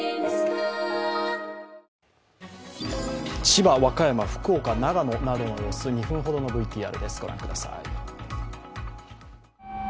千葉、和歌山、福岡、長野などの様子、２分ほどのＶＴＲです御覧ください。